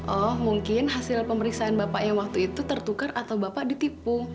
oh mungkin hasil pemeriksaan bapaknya waktu itu tertukar atau bapak ditipu